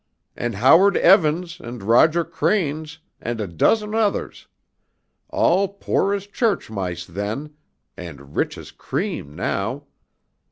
And Howard Evans and Roger Cranes and a dozen others, all poor as church mice then, and rich as cream now.